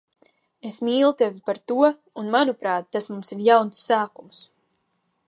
Es mīlu tevi par to un, manuprāt, tas mums ir jauns sākums.